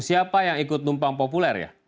siapa yang ikut numpang populer ya